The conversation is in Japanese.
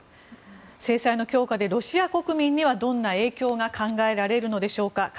制裁の強化でロシア国民にはどんな影響が考えられるのでしょうか。